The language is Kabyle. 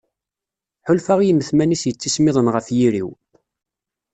Ḥulfaɣ i yimetman-is yettismiḍen ɣef yiri-w.